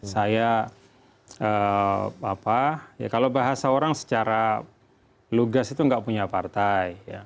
saya apa ya kalau bahasa orang secara lugas itu nggak punya partai